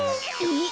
えっ！